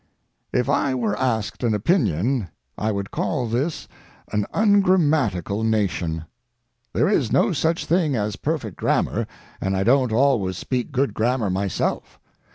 If I were asked an opinion I would call this an ungrammatical nation. There is no such thing as perfect grammar, and I don't always speak good grammar myself.